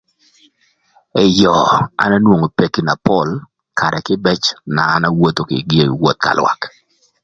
Eyo an anwongo peki na pol karë kïbëc na an awotho kï gi woth ka lwak.